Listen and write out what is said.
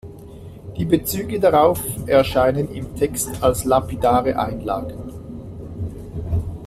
Die Bezüge darauf erscheinen im Text als lapidare Einlagen.